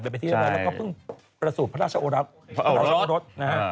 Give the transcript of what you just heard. แล้วก็เพิ่งประสูจน์พระราชโอรส